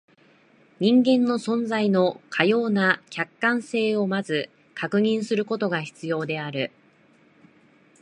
人間の存在のかような客観性を先ず確認することが必要である。